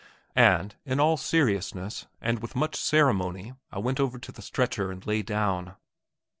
And in all seriousness, and with much ceremony I went over to the stretcher and lay down.